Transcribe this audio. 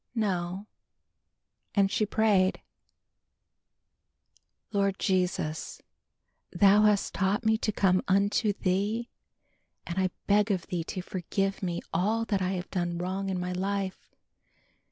No, and she prayed; "Lord Jesus, Thou hast taught me to come unto Thee and I beg of Thee to forgive me all that I have done wrong in my life.